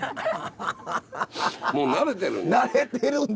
もう慣れてるんだ。